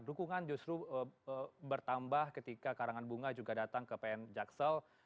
dukungan justru bertambah ketika karangan bunga juga datang ke pn jaksel